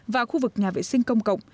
và khu vực nhà vệ sinh công cộng